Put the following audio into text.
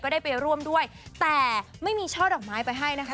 ได้ไปร่วมด้วยแต่ไม่มีช่อดอกไม้ไปให้นะคะ